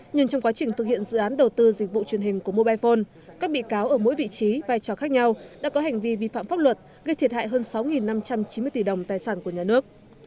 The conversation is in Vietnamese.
nhưng trong quá trình thực hiện dự án đầu tư dịch vụ truyền hình của mobile phone các bị cáo ở mỗi vị trí vai trò khác nhau đã có hành vi vi phạm pháp luật gây thiệt hại hơn sáu năm trăm chín mươi tỷ đồng tài sản của nhà nước